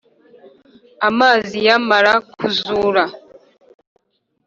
amazi yamará kuzura